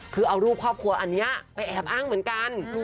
คือเอารูปครอบครัวอันนี้ไปแอบอ้างเหมือนกัน